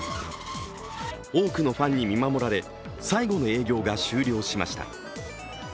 多くのファンに見守られ、最後の営業が終了しました。